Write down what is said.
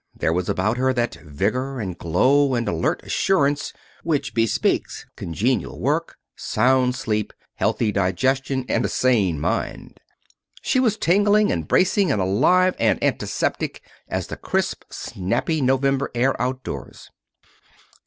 There was about her that vigor, and glow, and alert assurance which bespeaks congenial work, sound sleep, healthy digestion, and a sane mind. She was as tingling, and bracing, and alive, and antiseptic as the crisp, snappy November air outdoors.